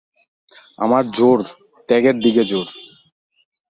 আমার জোর ত্যাগের দিকে জোর।